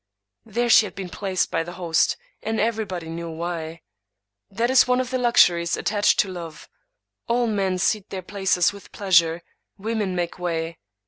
There she had been placed by the host; and every body knew why. That is one of the luxuries attached to love ; all men cede their places with pleasure ; womei .ake way.